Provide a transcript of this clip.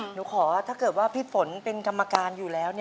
หนูขอถ้าเกิดว่าพี่ฝนเป็นกรรมการอยู่แล้ว